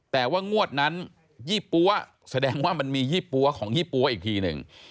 แต่ว่างวดนั้นยี่ปั๊วแสดงว่ามันมียี่ปั๊วของยี่ปั๊วอีกทีหนึ่ง